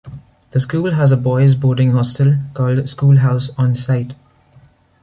The school has a boys' boarding hostel called School House on site.